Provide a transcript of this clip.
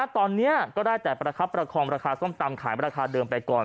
ตอนนี้ก็ได้แต่ประคับประคองราคาส้มตำขายราคาเดิมไปก่อน